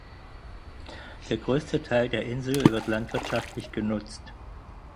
Der größte Teil der Insel wird landwirtschaftlich genutzt.